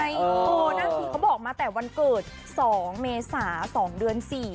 โหหนังจีเขบอกจะมาแต่วันเกิด๒เมษา่๒เดือน๔